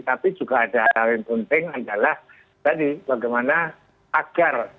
tapi juga ada hal yang penting adalah tadi bagaimana agar